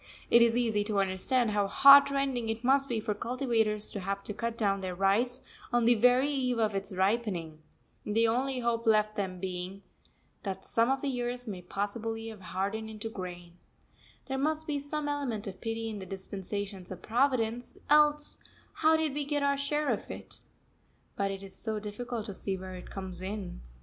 It is easy to understand how heart rending it must be for cultivators to have to cut down their rice on the very eve of its ripening, the only hope left them being that some of the ears may possibly have hardened into grain. [Footnote 1: Old sand banks consolidated by the deposit of a layer of culturable soil.] There must be some element of pity in the dispensations of Providence, else how did we get our share of it? But it is so difficult to see where it comes in.